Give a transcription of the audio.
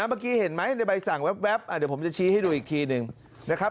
เมื่อกี้เห็นไหมในใบสั่งแว๊บเดี๋ยวผมจะชี้ให้ดูอีกทีหนึ่งนะครับ